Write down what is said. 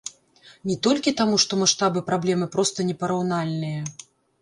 Не толькі таму, што маштабы праблемы проста непараўнальныя.